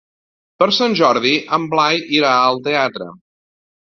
Per Sant Jordi en Blai irà al teatre.